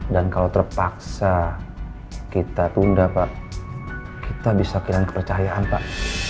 dan kalau terpaksa kita tunda pak kita bisa kehilangan kepercayaan pak